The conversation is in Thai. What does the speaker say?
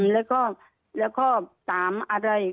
แล้วตามอะไร